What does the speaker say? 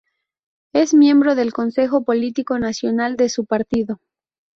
Es miembro del Consejo Político Nacional de su partido.